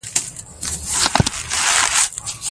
دښمن پته لګولې ده.